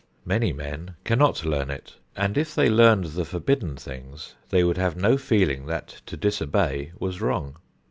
Many men cannot learn it, and if they learned the forbidden things they would have no feeling that to disobey was wrong.